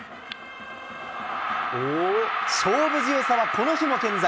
勝負強さはこの日も健在。